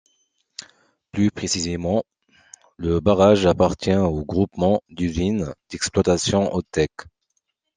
Plus précisément, le barrage appartient au Groupement d’Usine d’Exploitation Aude-Tech.